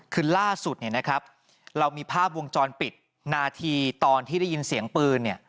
คือล่าสุดเรามีภาพวงจรปิดนาทีตอนที่ได้ยินเสียงปืน